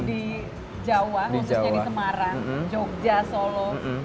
di jawa khususnya di semarang jogja solo